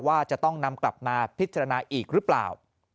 ว่าจะต้องนำกลับมาพิจารณาอีกหรือเปล่า